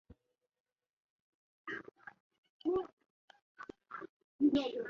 最后机场人员使用大型拖车将飞机拉出。